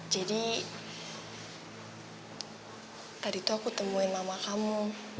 tadi tuh aku temuin mama kamu